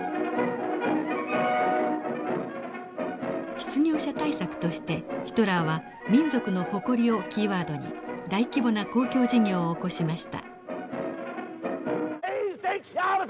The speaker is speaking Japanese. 失業者対策としてヒトラーは民族の誇りをキーワードに大規模な公共事業を起こしました。